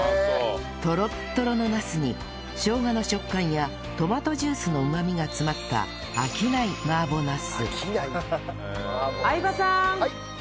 トロットロのナスにしょうがの食感やトマトジュースのうまみが詰まった飽きない麻婆ナス